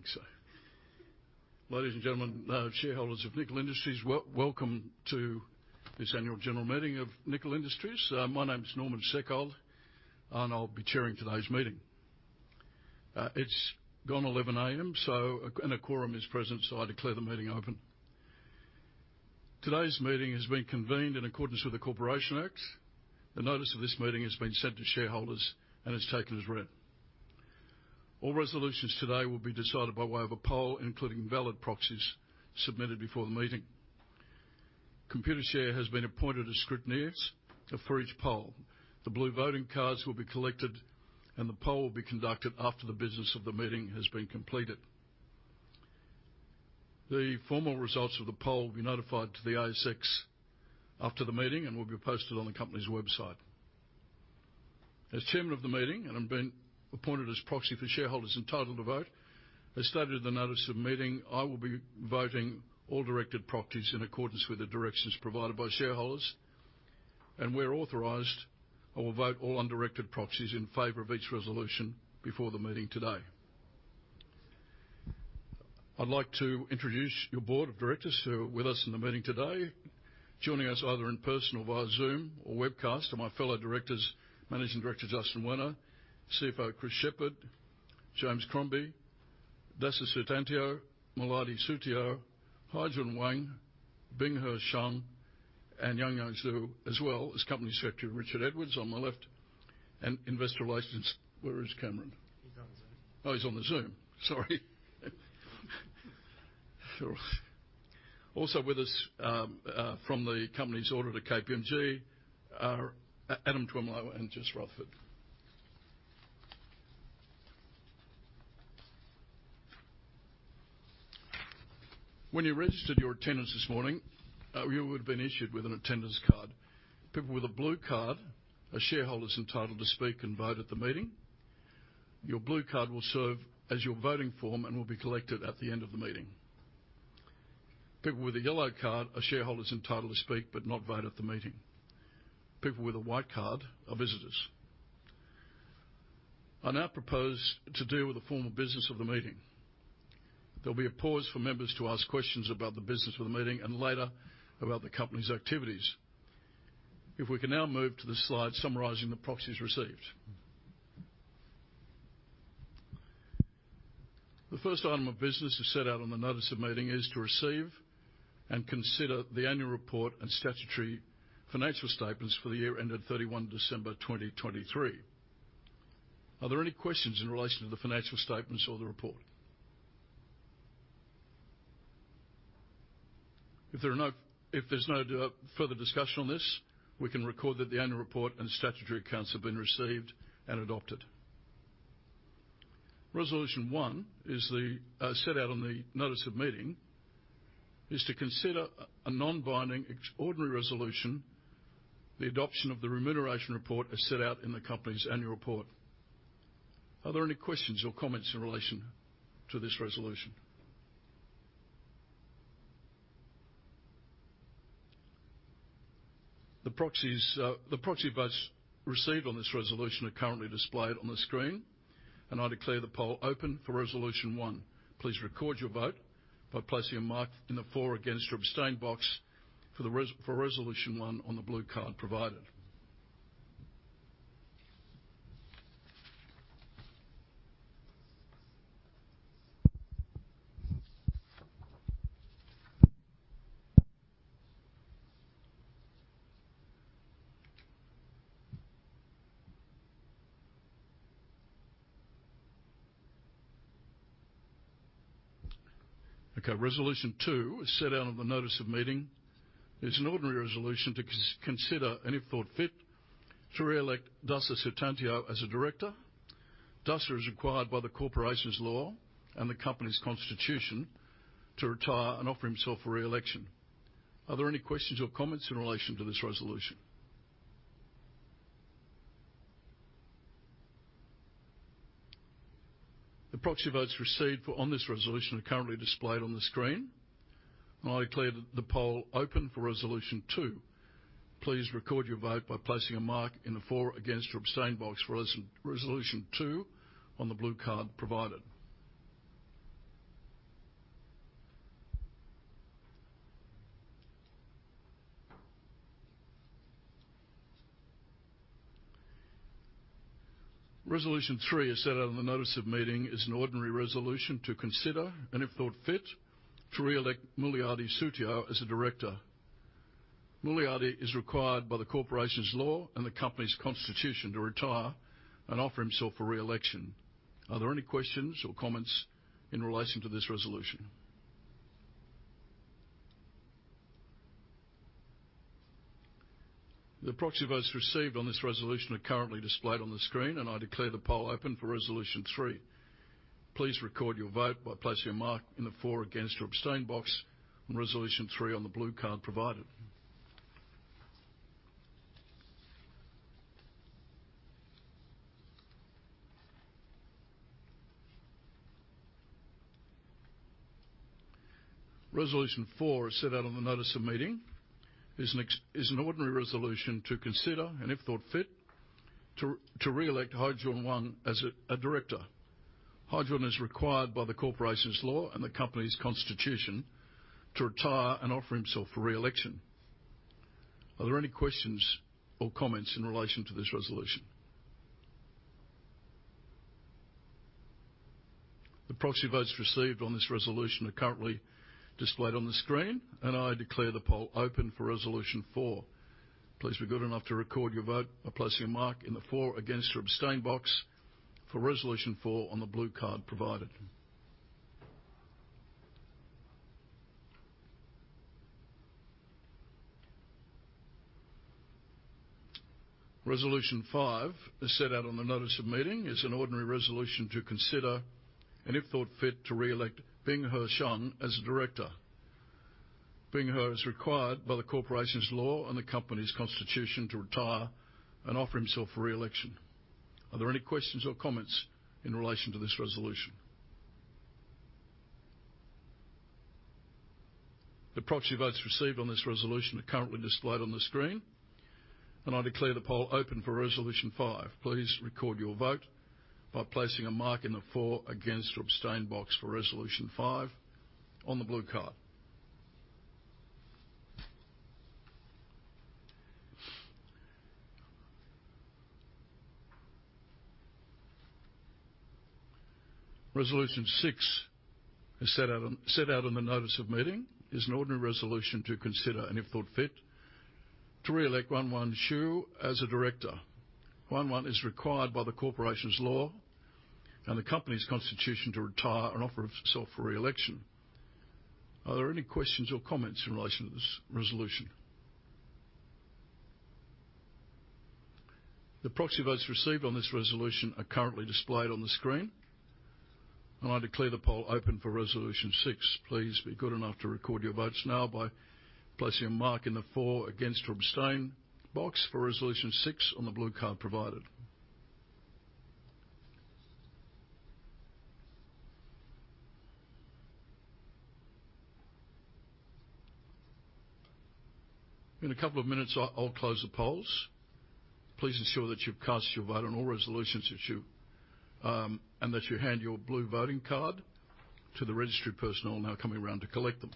Yeah, I think so. Ladies and gentlemen, shareholders of Nickel Industries, welcome to this annual general meeting of Nickel Industries. My name's Norman Seckold, and I'll be chairing today's meeting. It's gone 11:00 A.M., so a quorum is present, so I declare the meeting open. Today's meeting has been convened in accordance with the Corporations Act. The notice of this meeting has been sent to shareholders and is taken as read. All resolutions today will be decided by way of a poll, including valid proxies submitted before the meeting. Computershare has been appointed to scrutinize for each poll. The blue voting cards will be collected, and the poll will be conducted after the business of the meeting has been completed. The formal results of the poll will be notified to the ASX after the meeting and will be posted on the company's website. As chairman of the meeting, and I'm being appointed as proxy for shareholders entitled to vote, as stated in the notice of meeting, I will be voting all directed proxies in accordance with the directions provided by shareholders. Where authorized, I will vote all undirected proxies in favor of each resolution before the meeting today. I'd like to introduce your board of directors who are with us in the meeting today. Joining us either in person or via Zoom or webcast are my fellow directors, Managing Director Justin Werner, CFO Chris Shepherd, James Crombie, Dasa Sutantio, Muliady Sutio, Haijun Wang, Binghe Xiang, and Yuanyuan Xu, as well as Company Secretary Richard Edwards on my left. Investor Relations, where is Cameron? He's on Zoom. Oh, he's on the Zoom. Sorry. Also with us, from the company's auditor, KPMG, are Adam Twemlow and Jess Rutherford. When you registered your attendance this morning, you would have been issued with an attendance card. People with a blue card are shareholders entitled to speak and vote at the meeting. Your blue card will serve as your voting form and will be collected at the end of the meeting. People with a yellow card are shareholders entitled to speak but not vote at the meeting. People with a white card are visitors. I now propose to deal with the formal business of the meeting. There'll be a pause for members to ask questions about the business of the meeting and later about the company's activities. If we can now move to the slide summarizing the proxies received. The first item of business as set out on the notice of meeting is to receive and consider the annual report and statutory financial statements for the year ended 31 December 2023. Are there any questions in relation to the financial statements or the report? If there's no further discussion on this, we can record that the annual report and statutory accounts have been received and adopted. Resolution 1, set out on the notice of meeting, is to consider a non-binding extraordinary resolution, the adoption of the remuneration report as set out in the company's annual report. Are there any questions or comments in relation to this resolution? The proxy votes received on this resolution are currently displayed on the screen, and I declare the poll open for Resolution 1. Please record your vote by placing a mark in the for or against or abstain box for Resolution 1 on the blue card provided. Okay. Resolution 2 is set out on the notice of meeting. It's an ordinary resolution to consider, and if thought fit, to reelect Dasa Sutantio as a director. Dasa is required by the corporation's law and the company's constitution to retire and offer himself for reelection. Are there any questions or comments in relation to this resolution? The proxy votes received for this resolution are currently displayed on the screen, and I declare the poll open for Resolution 2. Please record your vote by placing a mark in the for or against or abstain box for Resolution 2 on the blue card provided. Resolution 3 is set out on the notice of meeting. It's an ordinary resolution to consider, and if thought fit, to reelect Muliady Sutio as a director. Muliady is required by the corporation's law and the company's constitution to retire and offer himself for reelection. Are there any questions or comments in relation to this resolution? The proxy votes received on this resolution are currently displayed on the screen, and I declare the poll open for Resolution 3. Please record your vote by placing a mark in the for or against your abstain box on Resolution 3 on the blue card provided. Resolution 4 is set out on the notice of meeting. It's an ordinary resolution to consider, and if thought fit, to reelect Haijun Wang as a director. Haijun is required by the corporation's law and the company's constitution to retire and offer himself for reelection. Are there any questions or comments in relation to this resolution? The proxy votes received on this resolution are currently displayed on the screen, and I declare the poll open for Resolution 4. Please be good enough to record your vote by placing a mark in the for or against your abstain box for Resolution 4 on the blue card provided. Resolution 5 is set out on the notice of meeting. It's an ordinary resolution to consider, and if thought fit, to reelect Binghe Xiang as a director. Bing He is required by the corporation's law and the company's constitution to retire and offer himself for reelection. Are there any questions or comments in relation to this resolution? The proxy votes received on this resolution are currently displayed on the screen, and I declare the poll open for Resolution 5. Please record your vote by placing a mark in the for or against or abstain box for Resolution 5 on the blue card. Resolution 6 is set out on the notice of meeting. It's an ordinary resolution to consider, and if thought fit, to reelect Yuanyuan Xu as a director. Yuanyuan is required by the corporation's law and the company's constitution to retire and offer himself for reelection. Are there any questions or comments in relation to this resolution? The proxy votes received on this resolution are currently displayed on the screen, and I declare the poll open for Resolution 6. Please be good enough to record your votes now by placing a mark in the for or against or abstain box for Resolution 6 on the blue card provided. In a couple of minutes, I'll close the polls. Please ensure that you've cast your vote on all resolutions, and that you hand your blue voting card to the registry personnel now coming round to collect them.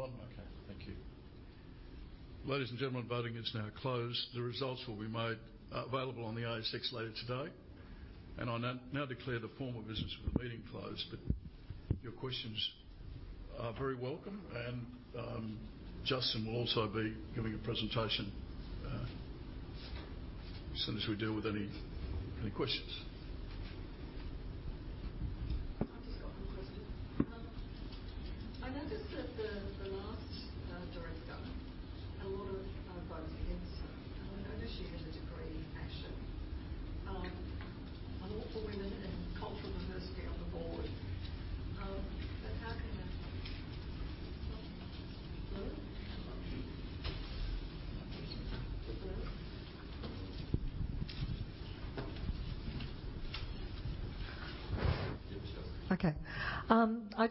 Thank you. Is there anybody else with the blue voting card who'd like to vote first? I've got them. Okay. Thank you. Ladies and gentlemen, voting is now closed. The results will be made available on the ASX later today. I now declare the formal business of the meeting closed, but your questions are very welcome. Justin will also be giving a presentation as soon as we deal with any questions.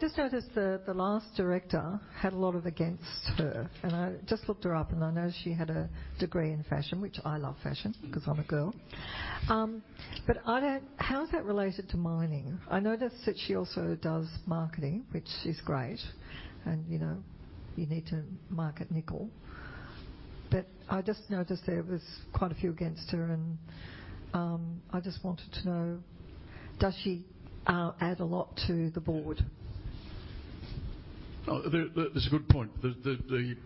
I've just got one question. I noticed that the last director had a lot of votes against her. And I noticed she had a degree in fashion. I'm all for women and cultural diversity on the board. But how can that happen? Blue? Blue? Yeah, Michelle. Okay. I just noticed the last director had a lot of against her. And I just looked her up, and I know she had a degree in fashion, which I love fashion 'cause I'm a girl. But I don't know how is that related to mining? I noticed that she also does marketing, which is great. And, you know, you need to market nickel. But I just noticed there was quite a few against her. And, I just wanted to know, does she add a lot to the board? Oh, there's a good point. There's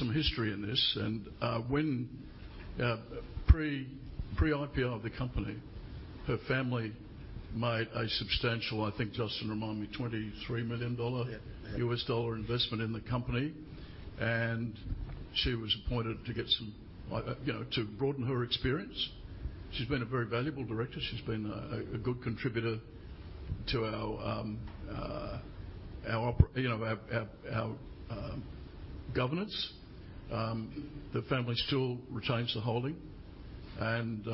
some history in this. And when pre-IPO of the company, her family made a substantial, I think Justin reminded me, $23 million investment in the company. And she was appointed to get some, you know, to broaden her experience. She's been a very valuable director. She's been a good contributor to our operations, you know, our governance. The family still retains the holding. And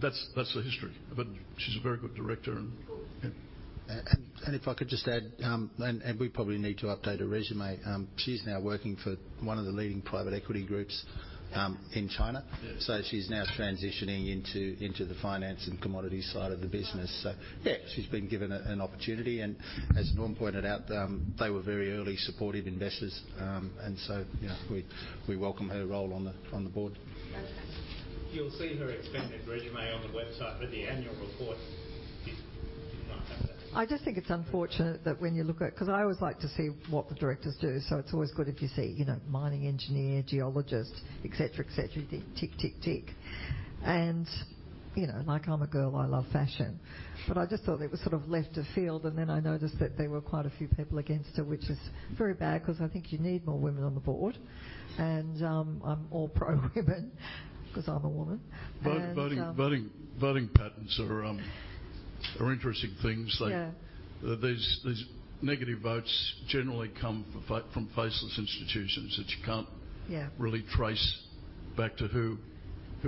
that's the history. But she's a very good director and. Cool. Yeah. And if I could just add, we probably need to update her resume. She's now working for one of the leading private equity groups in China. Yeah. So she's now transitioning into the finance and commodities side of the business. So yeah, she's been given an opportunity. And as Norm pointed out, they were very early supportive investors. And so, you know, we welcome her role on the board. Okay. You'll see her expanded resume on the website, but the annual report did not have that. I just think it's unfortunate that when you look at 'cause I always like to see what the directors do. So it's always good if you see, you know, mining engineer, geologist, etc., etc., tick, tick, tick, tick. And, you know, like, I'm a girl. I love fashion. But I just thought it was sort of left of field. And then I noticed that there were quite a few people against her, which is very bad 'cause I think you need more women on the board. And, I'm all pro-women 'cause I'm a woman. And, Voting patterns are interesting things. Like. Yeah. These negative votes generally come from faceless institutions that you can't. Yeah. Really trace back to who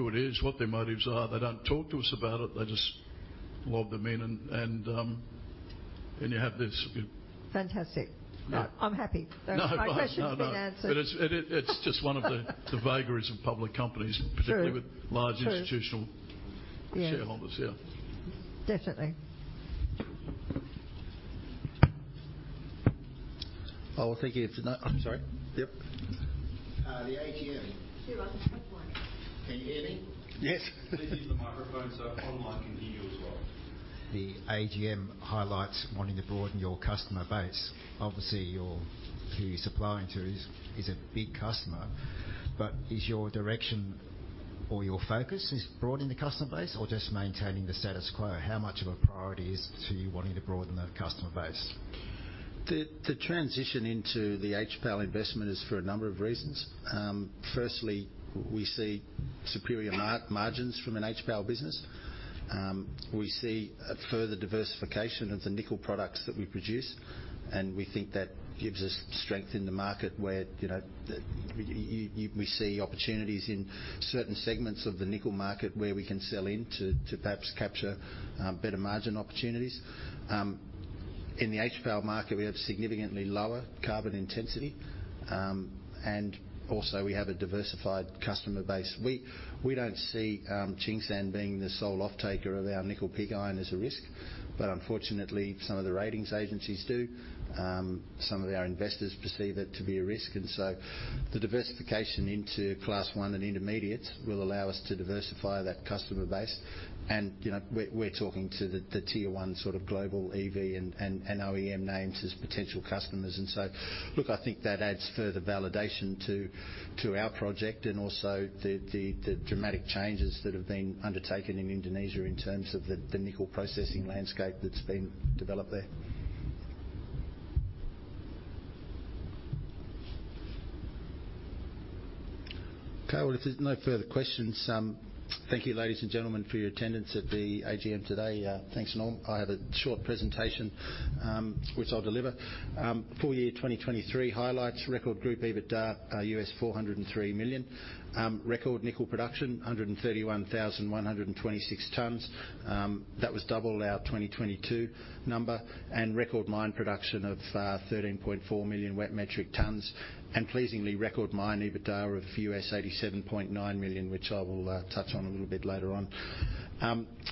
it is, what their motives are. They don't talk to us about it. They just lob them in. And you have this. Fantastic. No. I'm happy. There are quite a few questions being answered. No, no. But it's just one of the vagaries of public companies. Sure. Particularly with large institutional. Sure. Shareholders. Yeah. Definitely. Oh, well, thank you. If no, I'm sorry. Yep. the AGM. Here I can check one. Can you hear me? Yes. Please use the microphone so online can hear you as well. The AGM highlights wanting to broaden your customer base. Obviously, your who you're supplying to is a big customer. But is your direction or your focus is broadening the customer base or just maintaining the status quo? How much of a priority is to you wanting to broaden the customer base? The transition into the HPAL investment is for a number of reasons. Firstly, we see superior margins from an HPAL business. We see a further diversification of the nickel products that we produce. And we think that gives us strength in the market where, you know, we see opportunities in certain segments of the nickel market where we can sell into to perhaps capture better margin opportunities. In the HPAL market, we have significantly lower carbon intensity. And also, we have a diversified customer base. We don't see Tsingshan being the sole offtaker of our nickel pig iron as a risk. But unfortunately, some of the ratings agencies do. Some of our investors perceive it to be a risk. And so the diversification into class one and intermediates will allow us to diversify that customer base. And, you know, we're talking to the tier one sort of global EV and OEM names as potential customers. And so, look, I think that adds further validation to our project and also the dramatic changes that have been undertaken in Indonesia in terms of the nickel processing landscape that's been developed there. Okay. Well, if there's no further questions, thank you, ladies and gentlemen, for your attendance at the AGM today. Thanks, Norm. I have a short presentation, which I'll deliver. Full year 2023 highlights: record group EBITDA of $403 million. Record nickel production of 131,126 tons. That was double our 2022 number. Record mine production of 13.4 million wet metric tons. Pleasingly, record mine EBITDA of $87.9 million, which I will touch on a little bit later on.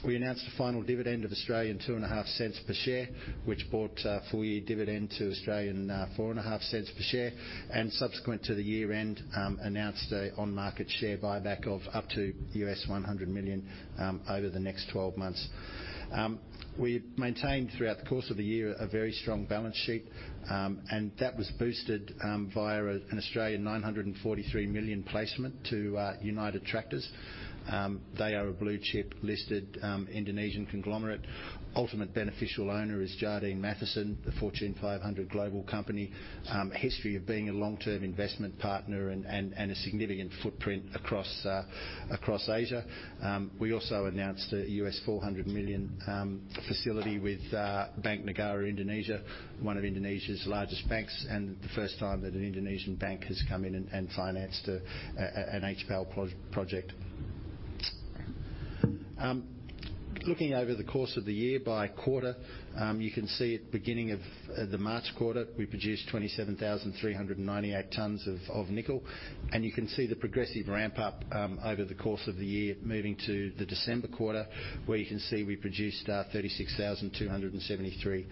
We announced a final dividend of 2.5 cents per share, which brought full year dividend to 4.5 cents per share. Subsequent to the year-end, we announced an on-market share buyback of up to $100 million over the next 12 months. We maintained throughout the course of the year a very strong balance sheet. That was boosted via an 943 million placement to United Tractors. They are a blue-chip listed Indonesian conglomerate. Ultimate beneficial owner is Jardine Matheson, the Fortune 500 global company. history of being a long-term investment partner and a significant footprint across Asia. We also announced a $400 million facility with Bank Negara Indonesia, one of Indonesia's largest banks. And the first time that an Indonesian bank has come in and financed a HPAL project. Looking over the course of the year by quarter, you can see at the beginning of the March quarter, we produced 27,398 tons of nickel. And you can see the progressive ramp-up over the course of the year moving to the December quarter where you can see we produced 36,273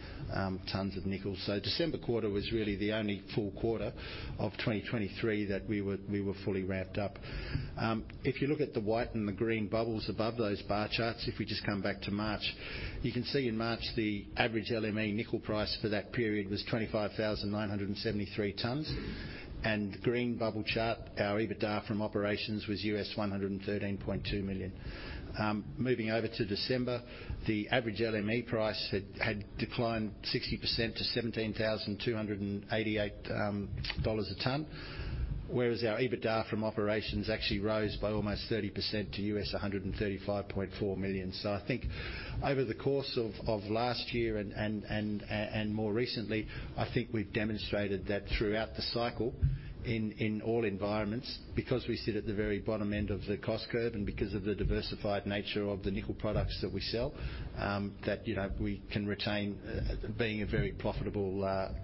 tons of nickel. So December quarter was really the only full quarter of 2023 that we were fully ramped up. If you look at the white and the green bubbles above those bar charts, if we just come back to March, you can see in March, the average LME nickel price for that period was 25,973 tons. And green bubble chart, our EBITDA from operations was $113.2 million. Moving over to December, the average LME price had declined 60% to 17,288 dollars a ton. Whereas our EBITDA from operations actually rose by almost 30% to $135.4 million. So I think over the course of of last year and more recently, I think we've demonstrated that throughout the cycle in all environments because we sit at the very bottom end of the cost curve and because of the diversified nature of the nickel products that we sell, that, you know, we can retain being a very profitable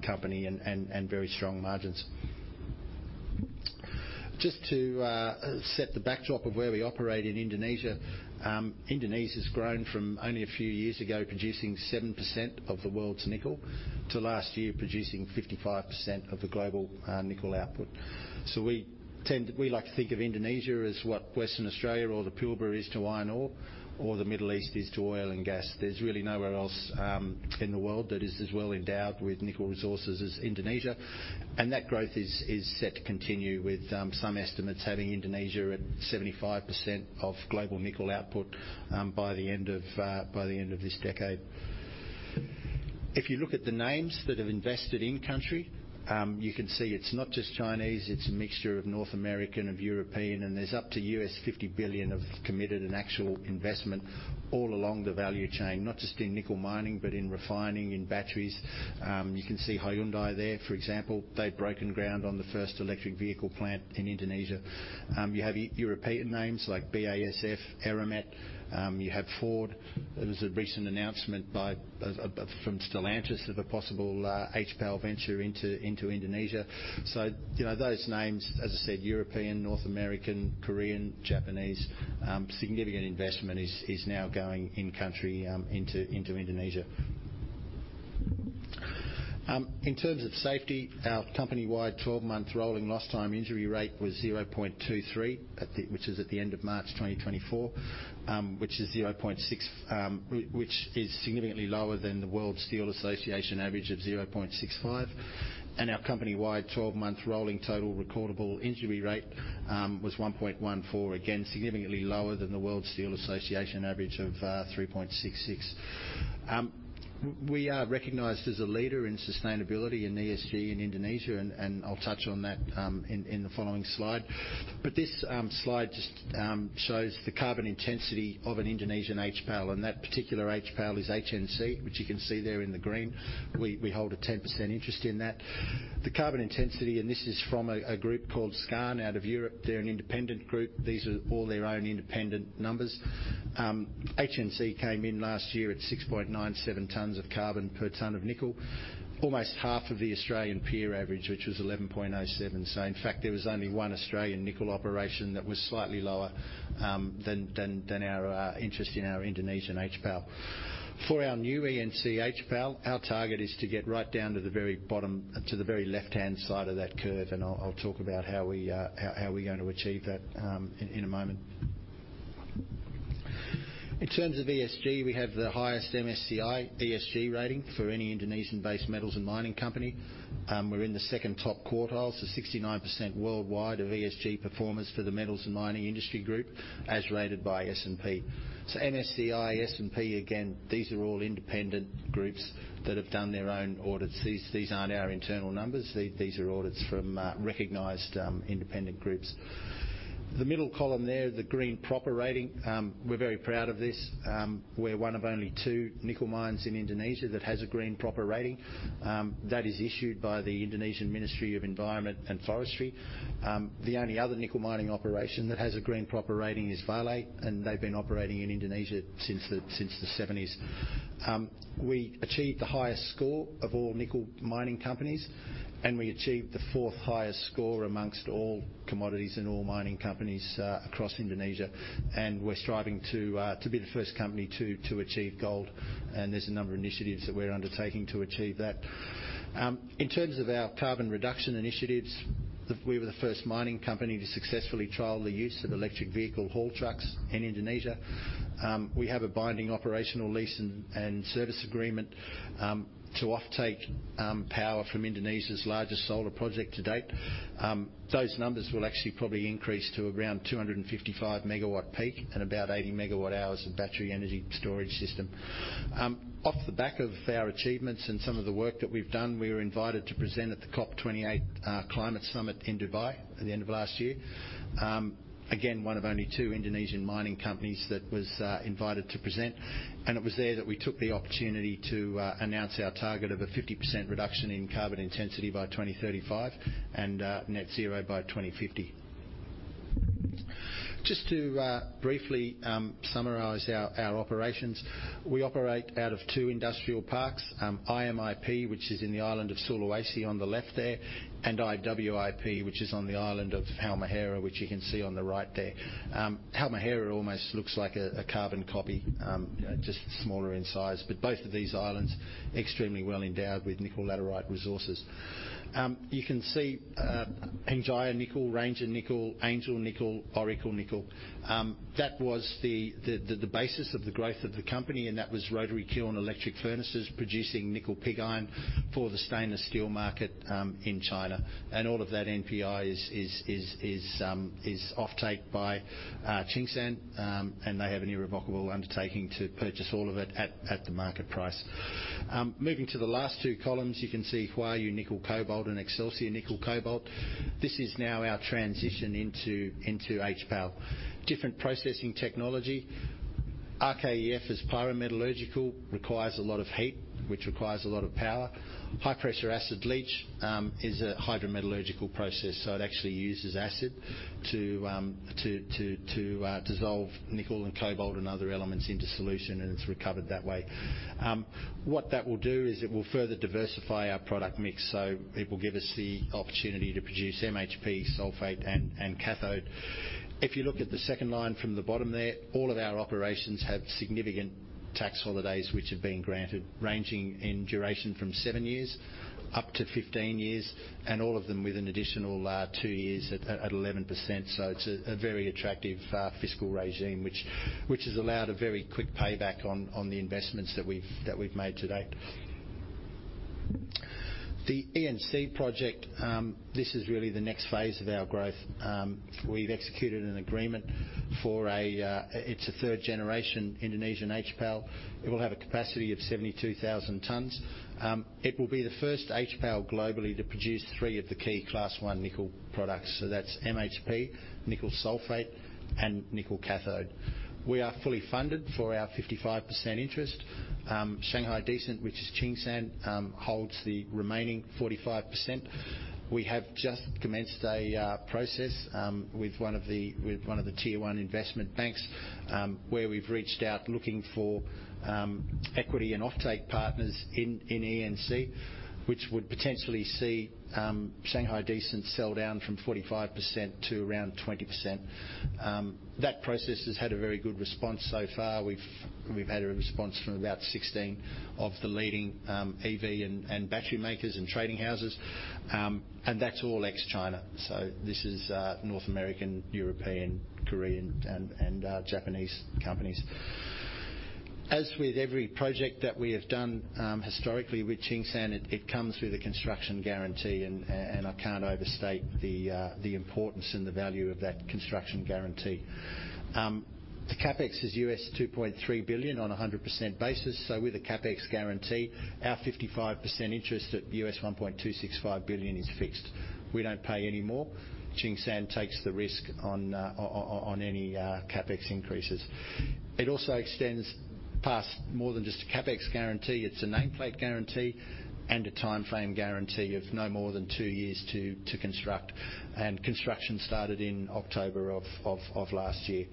company and very strong margins. Just to set the backdrop of where we operate in Indonesia, Indonesia's grown from only a few years ago producing 7% of the world's nickel to last year producing 55% of the global nickel output. So we tend we like to think of Indonesia as what Western Australia or the Pilbara is to iron ore or the Middle East is to oil and gas. There's really nowhere else, in the world that is as well endowed with nickel resources as Indonesia. And that growth is set to continue with some estimates having Indonesia at 75% of global nickel output, by the end of this decade. If you look at the names that have invested in-country, you can see it's not just Chinese. It's a mixture of North American and European. And there's up to $50 billion of committed and actual investment all along the value chain, not just in nickel mining but in refining, in batteries. You can see Hyundai there, for example. They've broken ground on the first electric vehicle plant in Indonesia. You have European names like BASF, Eramet. You have Ford. There was a recent announcement from Stellantis of a possible HPAL venture into Indonesia. So, you know, those names, as I said, European, North American, Korean, Japanese, significant investment is now going in-country, into Indonesia. In terms of safety, our company-wide 12-month rolling lost-time injury rate was 0.23, which is at the end of March 2024, which is significantly lower than the World Steel Association average of 0.65. Our company-wide 12-month rolling total recordable injury rate was 1.14, again, significantly lower than the World Steel Association average of 3.66. We are recognized as a leader in sustainability in ESG in Indonesia. And I'll touch on that in the following slide. But this slide just shows the carbon intensity of an Indonesian HPAL. And that particular HPAL is HNC, which you can see there in the green. We hold a 10% interest in that. The carbon intensity and this is from a group called Skarn out of Europe. They're an independent group. These are all their own independent numbers. HNC came in last year at 6.97 tons of carbon per ton of nickel, almost half of the Australian peer average, which was 11.07. So in fact, there was only one Australian nickel operation that was slightly lower than our interest in our Indonesian HPAL. For our new ENC HPAL, our target is to get right down to the very bottom to the very left-hand side of that curve. And I'll talk about how we're going to achieve that in a moment. In terms of ESG, we have the highest MSCI ESG rating for any Indonesian-based metals and mining company. We're in the second top quartile. So 69% worldwide of ESG performers for the metals and mining industry group as rated by S&P. So MSCI, S&P, again, these are all independent groups that have done their own audits. These, these aren't our internal numbers. These are audits from recognized, independent groups. The middle column there, the green PROPER Rating, we're very proud of this. We're one of only two nickel mines in Indonesia that has a green PROPER Rating. That is issued by the Indonesian Ministry of Environment and Forestry. The only other nickel mining operation that has a green PROPER Rating is Vale. And they've been operating in Indonesia since the 1970s. We achieved the highest score of all nickel mining companies. And we achieved the fourth highest score amongst all commodities and all mining companies, across Indonesia. And we're striving to be the first company to achieve gold. There's a number of initiatives that we're undertaking to achieve that. In terms of our carbon reduction initiatives, we were the first mining company to successfully trial the use of electric vehicle haul trucks in Indonesia. We have a binding operational lease and service agreement to offtake power from Indonesia's largest solar project to date. Those numbers will actually probably increase to around 255 MW peak and about 80 MWh of battery energy storage system. Off the back of our achievements and some of the work that we've done, we were invited to present at the COP28 Climate Summit in Dubai at the end of last year. Again, one of only two Indonesian mining companies that was invited to present. It was there that we took the opportunity to announce our target of a 50% reduction in carbon intensity by 2035 and net zero by 2050. Just to briefly summarize our operations, we operate out of two industrial parks, IMIP, which is in the island of Sulawesi on the left there, and IWIP, which is on the island of Halmahera, which you can see on the right there. Halmahera almost looks like a carbon copy, just smaller in size. But both of these islands, extremely well endowed with nickel laterite resources. You can see, Hengjaya Nickel, Ranger Nickel, Angel Nickel, Oracle Nickel. That was the basis of the growth of the company. And that was rotary kiln electric furnaces producing nickel pig iron for the stainless steel market, in China. And all of that NPI is offtake by Tsingshan. And they have an irrevocable undertaking to purchase all of it at the market price. Moving to the last two columns, you can see Huayu Nickel Cobalt and Excelsior Nickel Cobalt. This is now our transition into HPAL. Different processing technology. RKEF is pyrometallurgical, requires a lot of heat, which requires a lot of power. High-pressure acid leach is a hydrometallurgical process. So it actually uses acid to dissolve nickel and cobalt and other elements into solution. And it's recovered that way. What that will do is it will further diversify our product mix. So it will give us the opportunity to produce MHP, sulfate, and cathode. If you look at the second line from the bottom there, all of our operations have significant tax holidays which have been granted, ranging in duration from seven years up to 15 years, and all of them with an additional two years at 11%. So it's a very attractive fiscal regime, which has allowed a very quick payback on the investments that we've made to date. The ENC project, this is really the next phase of our growth. We've executed an agreement for a, it's a third-generation Indonesian HPAL. It will have a capacity of 72,000 tons. It will be the first HPAL globally to produce three of the key Class 1 nickel products. So that's MHP, nickel sulfate, and nickel cathode. We are fully funded for our 55% interest. Shanghai Decent, which is Tsingshan, holds the remaining 45%. We have just commenced a process with one of the tier one investment banks, where we've reached out looking for equity and offtake partners in ENC, which would potentially see Shanghai Decent sell down from 45% to around 20%. That process has had a very good response so far. We've had a response from about 16 of the leading EV and battery makers and trading houses. And that's all ex-China. So this is North American, European, Korean, and Japanese companies. As with every project that we have done historically with Tsingshan, it comes with a construction guarantee. And I can't overstate the importance and the value of that construction guarantee. The CapEx is $2.3 billion on a 100% basis. So with a CapEx guarantee, our 55% interest at $1.265 billion is fixed. We don't pay any more. Tsingshan takes the risk on any CapEx increases. It also extends past more than just a CapEx guarantee. It's a nameplate guarantee and a timeframe guarantee of no more than 2 years to construct. Construction started in October of last year.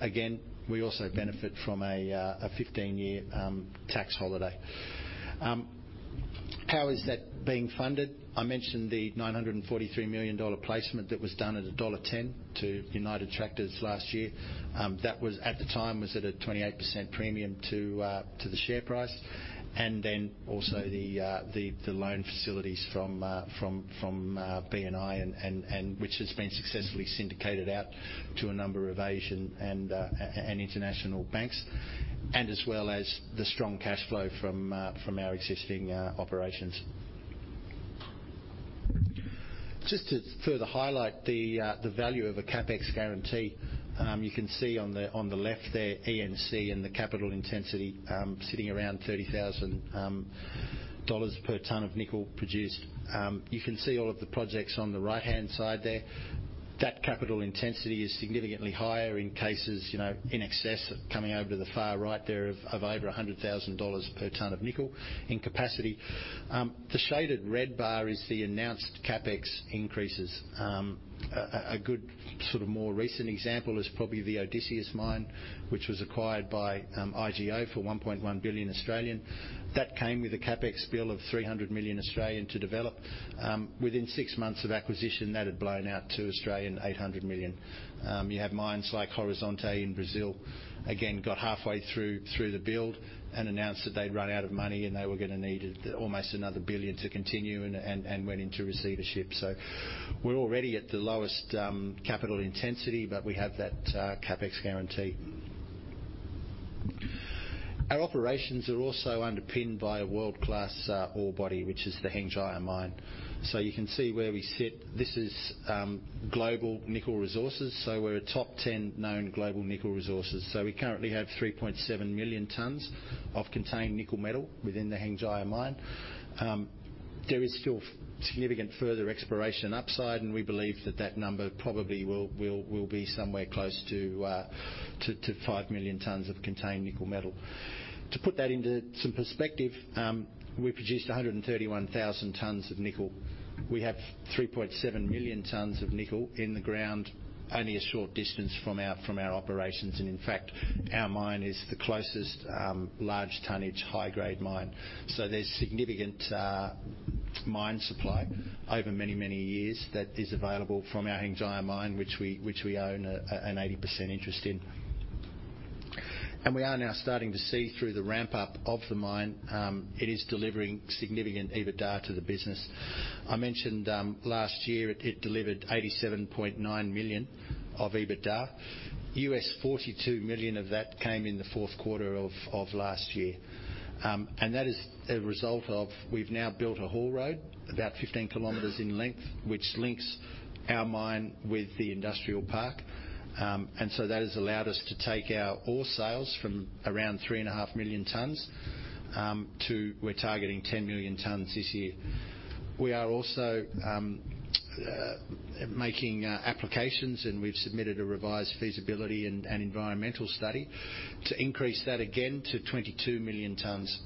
Again, we also benefit from a 15-year tax holiday. How is that being funded? I mentioned the $943 million placement that was done at $1.10 to United Tractors last year. That was at the time at a 28% premium to the share price. And then also the loan facilities from BNI and which has been successfully syndicated out to a number of Asian and international banks, and as well as the strong cash flow from our existing operations. Just to further highlight the value of a CapEx guarantee, you can see on the left there ENC and the capital intensity, sitting around $30,000 per ton of nickel produced. You can see all of the projects on the right-hand side there. That capital intensity is significantly higher in cases, you know, in excess coming over to the far right there of over $100,000 per ton of nickel in capacity. The shaded red bar is the announced CapEx increases. A good sort of more recent example is probably the Odysseus mine, which was acquired by IGO for 1.1 billion. That came with a CapEx bill of 300 million to develop. Within six months of acquisition, that had blown out to 800 million. You have mines like Horizonte in Brazil, again, got halfway through the build and announced that they'd run out of money. And they were going to need almost another 1 billion to continue and went into receivership. So we're already at the lowest capital intensity. But we have that CapEx guarantee. Our operations are also underpinned by a world-class ore body, which is the Hengjaya Mine. So you can see where we sit. This is global nickel resources. So we're a top 10 known global nickel resources. So we currently have 3.7 million tons of contained nickel metal within the Hengjaya Mine. There is still significant further exploration upside. And we believe that that number probably will be somewhere close to 5 million tons of contained nickel metal. To put that into some perspective, we produced 131,000 tons of nickel. We have 3.7 million tons of nickel in the ground, only a short distance from our operations. And in fact, our mine is the closest large tonnage, high-grade mine. So there's significant mine supply over many, many years that is available from our Hengjaya mine, which we own an 80% interest in. And we are now starting to see through the ramp-up of the mine. It is delivering significant EBITDA to the business. I mentioned last year, it delivered $87.9 million of EBITDA. $42 million of that came in the fourth quarter of last year. And that is a result of we've now built a haul road about 15 kilometers in length, which links our mine with the industrial park. And so that has allowed us to take our ore sales from around 3.5 million tons to we're targeting 10 million tons this year. We are also making applications. We've submitted a revised feasibility and environmental study to increase that again to 22 million tons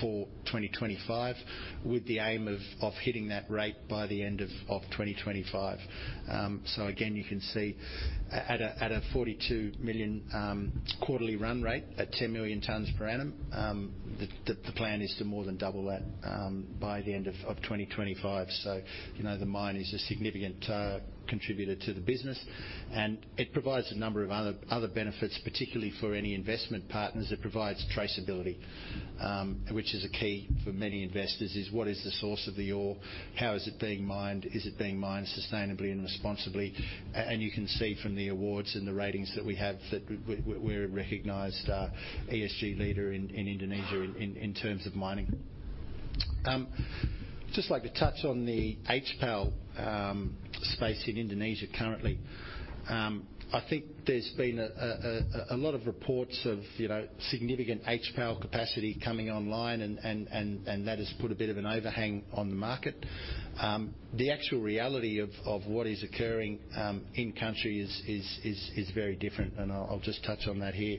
for 2025 with the aim of hitting that rate by the end of 2025. So again, you can see at a 42 million quarterly run rate at 10 million tons per annum, the plan is to more than double that by the end of 2025. So, you know, the mine is a significant contributor to the business. And it provides a number of other benefits, particularly for any investment partners. It provides traceability, which is a key for many investors, is what is the source of the ore? How is it being mined? Is it being mined sustainably and responsibly? You can see from the awards and the ratings that we have that we're a recognized ESG leader in Indonesia in terms of mining. Just like to touch on the HPAL space in Indonesia currently. I think there's been a lot of reports of, you know, significant HPAL capacity coming online. And that has put a bit of an overhang on the market. The actual reality of what is occurring in country is very different. And I'll just touch on that here.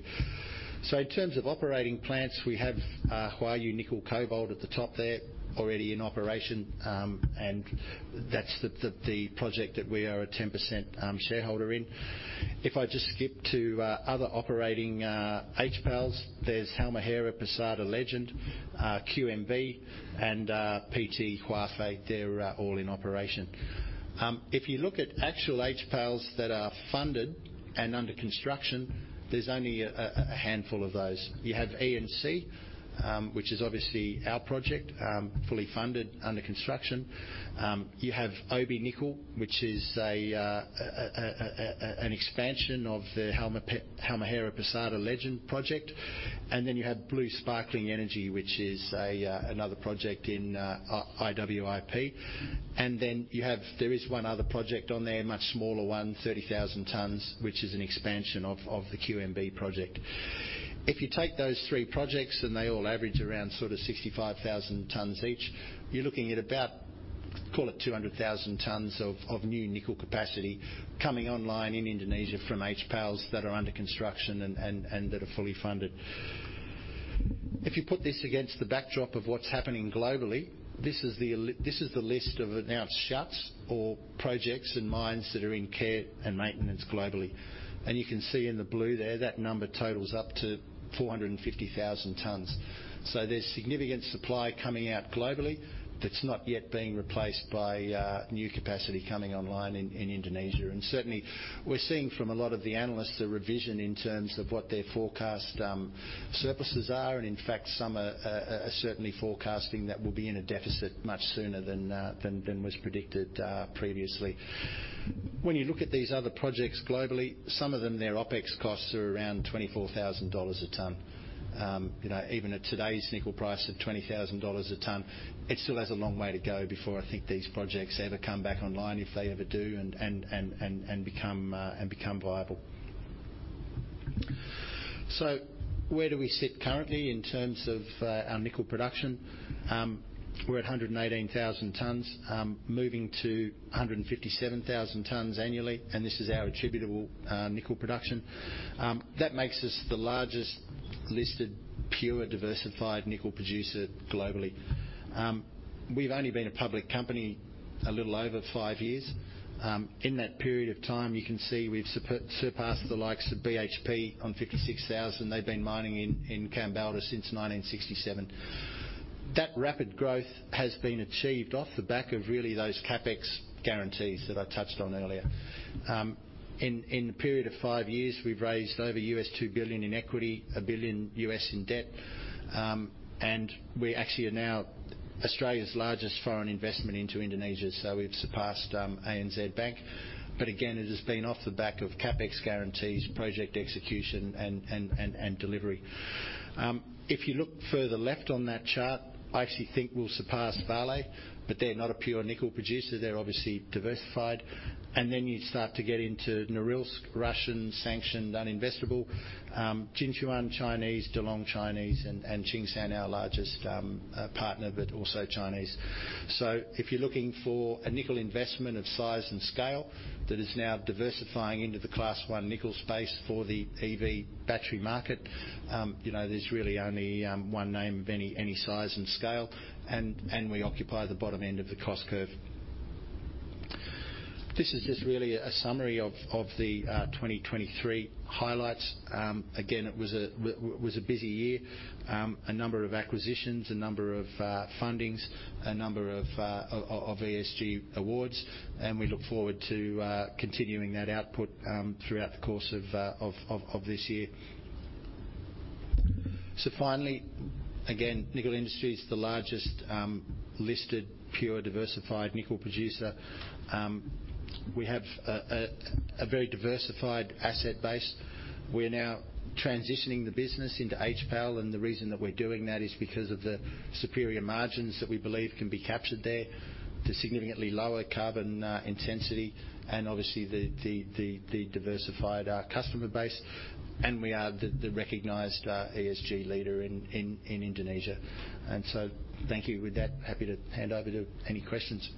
So in terms of operating plants, we have Huayu Nickel Cobalt at the top there already in operation. And that's the project that we are a 10% shareholder in. If I just skip to other operating HPALs, there's Halmahera Persada Lygend, QMB, and PT Hua Fei. They're all in operation. If you look at actual HPALs that are funded and under construction, there's only a handful of those. You have ENC, which is obviously our project, fully funded, under construction. You have Obi Nickel, which is an expansion of the Halmahera Persada Lygend project. And then you have Blue Sparking Energy, which is another project in IWIP. And then you have there is one other project on there, much smaller one, 30,000 tons, which is an expansion of the QMB project. If you take those three projects and they all average around sort of 65,000 tons each, you're looking at about call it 200,000 tons of new nickel capacity coming online in Indonesia from HPALs that are under construction and that are fully funded. If you put this against the backdrop of what's happening globally, this is the list of announced shuts or projects and mines that are in care and maintenance globally. And you can see in the blue there, that number totals up to 450,000 tons. So there's significant supply coming out globally that's not yet being replaced by new capacity coming online in Indonesia. And certainly, we're seeing from a lot of the analysts a revision in terms of what their forecast surpluses are. And in fact, some are certainly forecasting that we'll be in a deficit much sooner than was predicted previously. When you look at these other projects globally, some of them, their OpEx costs are around $24,000 a ton. You know, even at today's nickel price of $20,000 a ton, it still has a long way to go before I think these projects ever come back online if they ever do and become viable. So where do we sit currently in terms of our nickel production? We're at 118,000 tons, moving to 157,000 tons annually. And this is our attributable nickel production. That makes us the largest listed pure diversified nickel producer globally. We've only been a public company a little over five years. In that period of time, you can see we've surpassed the likes of BHP on 56,000. They've been mining in Kambalda since 1967. That rapid growth has been achieved off the back of really those CapEx guarantees that I touched on earlier. In the period of five years, we've raised over $2 billion in equity, $1 billion in debt. And we actually are now Australia's largest foreign investment into Indonesia. So we've surpassed ANZ Bank. But again, it has been off the back of CapEx guarantees, project execution, and delivery. If you look further left on that chart, I actually think we'll surpass Vale. But they're not a pure nickel producer. They're obviously diversified. And then you start to get into Norilsk, Russian, sanctioned, uninvestable, Jinchuan, Chinese, Delong, Chinese, and Tsingshan, our largest partner but also Chinese. So if you're looking for a nickel investment of size and scale that is now diversifying into the Class 1 nickel space for the EV battery market, you know, there's really only one name of any size and scale. And we occupy the bottom end of the cost curve. This is just really a summary of the 2023 highlights. Again, it was a busy year, a number of acquisitions, a number of fundings, a number of ESG awards. And we look forward to continuing that output throughout the course of this year. So finally, again, Nickel Industries is the largest listed pure diversified nickel producer. We have a very diversified asset base. We're now transitioning the business into HPAL. And the reason that we're doing that is because of the superior margins that we believe can be captured there, the significantly lower carbon intensity, and obviously the diversified customer base. And we are the recognized ESG leader in Indonesia. And so thank you with that. Happy to hand over to any questions.